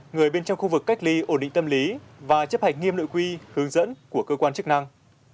người bên trong khu vực cách ly ổn định tâm lý và chấp hành nghiêm nội quy hướng dẫn của cơ quan chức năng